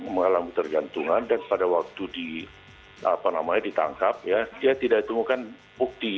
mengalami ketergantungan dan pada waktu ditangkap dia tidak ditemukan bukti